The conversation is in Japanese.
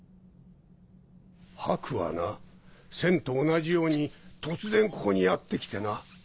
ハクはな千と同じように突然ここにやって来てな